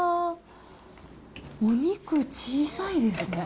お肉小さいですね。